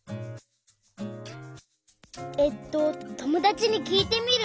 えっとともだちにきいてみる！